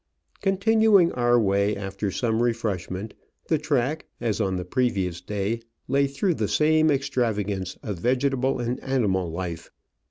Continuing our way, after some refreshment, the track, as on the previous day, lay through the same extrava gance of vegetable and animal life.